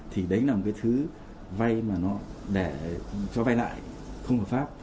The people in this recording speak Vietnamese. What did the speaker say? thì đấy là một cái thứ vay mà nó để cho vay lại không hợp pháp